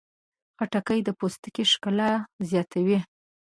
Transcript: خټکی د پوستکي ښکلا زیاتوي.